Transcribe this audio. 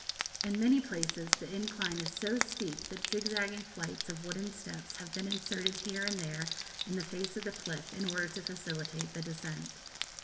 In many places the incline is so steep that zigzag flights of wooden steps have been inserted here and there in the face of the cliff in order to facilitate the descent.